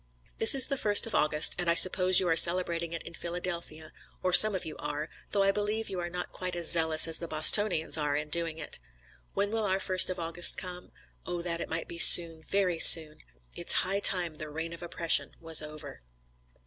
"This is the first of August, and I suppose you are celebrating it in Philadelphia, or some of you are, though I believe you are not quite as zealous as the Bostonians are in doing it. When will our first of August come? oh, that it might be soon, very soon! ... It's high time the 'reign of oppression was over.'"